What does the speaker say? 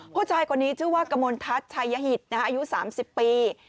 ผู้ชายคนนี้ชื่อว่ากมลทัศน์ชายหิตอายุ๓๐ปี